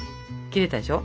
切れたでしょ？